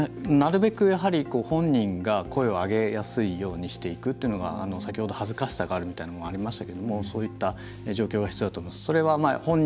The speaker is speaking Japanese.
なるべく本人が声を上げやすいようにしていくというのは先ほど恥ずかしさがあるみたいなこともありましたけどそういった状況が必要だと思います。